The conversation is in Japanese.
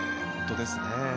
本当ですね。